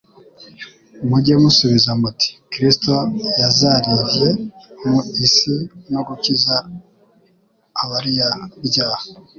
mujye musubiza muti : «Kristo yazariyve mu isi no gukiza abariyabyaha.»